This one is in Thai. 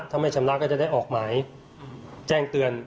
ถ้าไม่ชำระก็จะได้ออกหมายแจ้งเตือน